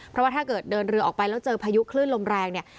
เพราะว่าถ้าเกิดเดินเรือออกไปแล้วเจอพายุคลื่นลมแรงเนี่ย